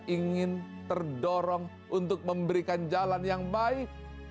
ingin terdorong untuk memberikan jalan yang baik